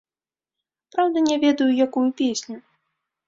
Праўда, не ведаю, якую песню.